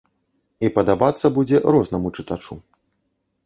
І падабацца будзе рознаму чытачу.